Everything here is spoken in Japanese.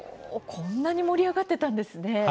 こんなに盛り上がっていたんですね。